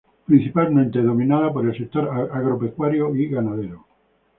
Principalmente dominada por el sector agropecuario y ganadero.